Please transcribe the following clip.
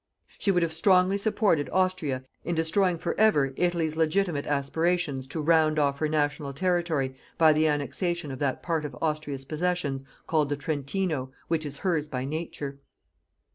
She would have strongly supported Austria in destroying for ever Italy's legitimate aspirations to round off her national territory by the annexation of that part of Austria's possessions called The Trentino, which is hers by nature.